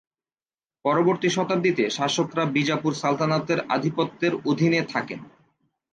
পরবর্তী শতাব্দীতে শাসকরা বিজাপুর সালতানাতের আধিপত্যের অধীনে থাকেন।